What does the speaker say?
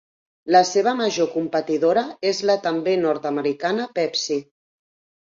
La seva major competidora és la també nord-americana Pepsi.